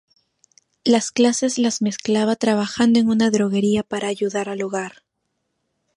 Las clases las mezclaba trabajando en una droguería para ayudar al hogar.